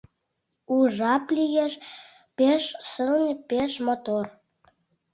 У жап лиеш, пеш сылне, пеш мотор...